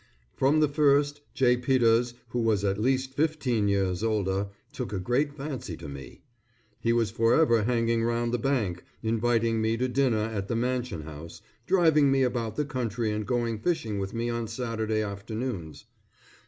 From the first, J. Peters who was at least fifteen years older, took a great fancy to me. He was forever hanging round the bank, inviting me to dinner at the Mansion House, driving me about the country and going fishing with me on Saturday afternoons.